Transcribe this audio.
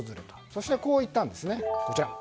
そして、こう言ったんです。